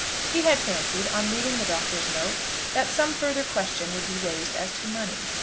He had fancied, on reading the Doctor's note, that some further question would be raised as to money.